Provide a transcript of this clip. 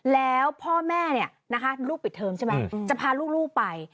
แล้วพ่อแม่ลูกปิดเทิมใช่ไหมจะพาลูกไป